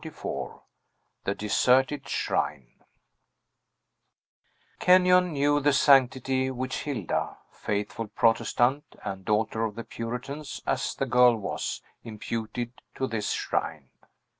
CHAPTER XLIV THE DESERTED SHRINE Kenyon knew the sanctity which Hilda (faithful Protestant, and daughter of the Puritans, as the girl was) imputed to this shrine.